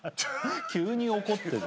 急に怒ってる。